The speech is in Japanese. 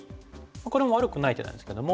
これも悪くない手なんですけども。